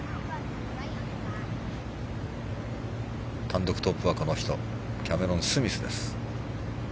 単独トップは、この人キャメロン・スミスです。